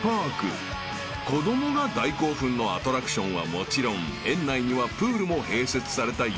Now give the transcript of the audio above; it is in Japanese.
［子供が大興奮のアトラクションはもちろん園内にはプールも併設された夢の遊園地］